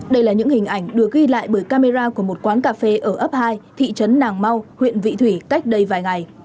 đây là những hình ảnh được ghi lại bởi camera của một quán cà phê ở ấp hai thị trấn nàng mau huyện vị thủy cách đây vài ngày